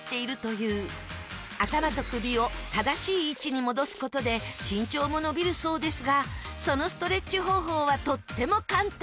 頭と首を正しい位置に戻す事で身長も伸びるそうですがそのストレッチ方法はとっても簡単！